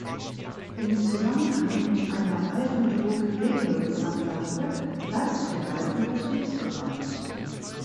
Im Zusammenhang mit einer Reifendruckregelungsanlage bleibt der Reifen betriebsbereit.